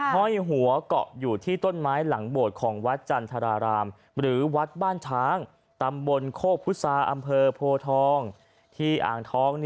ห้อยหัวเกาะอยู่ที่ต้นไม้หลังโบสถ์ของวัดจันทรารามหรือวัดบ้านช้างตำบลโคกพุษาอำเภอโพทองที่อ่างทอง